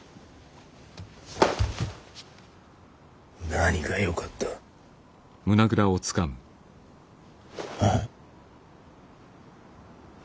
何がよかった？ああ？